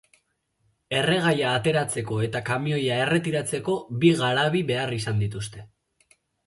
Erregaia ateratzeko eta kamioia erretiratzeko bi garabi behar izan dituzte.